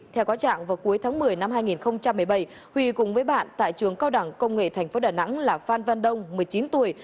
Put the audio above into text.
theo có trạng vào cuối tháng một mươi năm hai nghìn một mươi bảy huy cùng với bạn tại trường cao đẳng công nghệ tp đà nẵng là phan văn đông một mươi chín tuổi